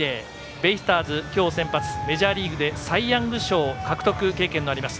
ベイスターズ、今日先発メジャーリーグサイ・ヤング賞獲得経験があります